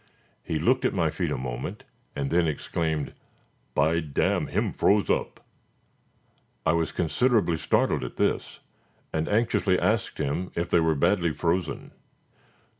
He looked at my feet a moment, and then exclaimed, "By dam, him froze up!" I was considerably startled at this, and anxiously asked him if they were badly frozen.